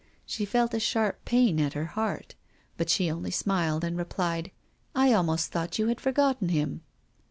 She felt a sharp pain at her heart, but she only smiled and replied, " I almost thought you had forgotten him."